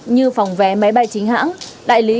như phòng vé máy bay chính hãng đại lý